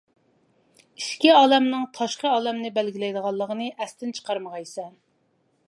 ئىچكى ئالەمنىڭ تاشقى ئالەمنى بەلگىلەيدىغانلىقىنى ئەستىن چىقارمىغايسەن.